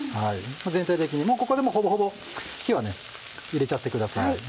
全体的にここでもほぼほぼ火は入れちゃってください。